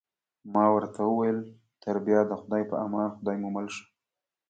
ما ورته وویل: تر بیا د خدای په امان، خدای مو مل شه.